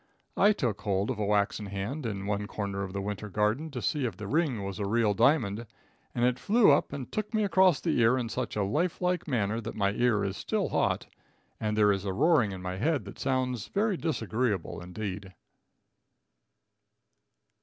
I took hold of a waxen hand in one corner of the winter garden to see if the ring was a real diamond, and it flew up and took me across the ear in such a life like manner that my ear is still hot and there is a roaring in my head that sounds very disagreeable, indeed.